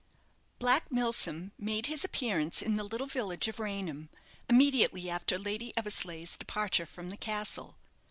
Black Milsom made his appearance in the little village of Raynham immediately after Lady Eversleigh's departure from the castle.